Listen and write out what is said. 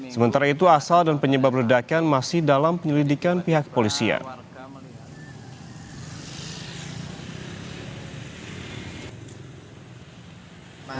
sementara itu asal dan penyebab ledakan masih dalam penyelidikan pihak polisian